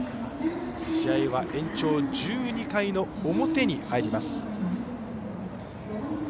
試合は延長１２回の表に入ります。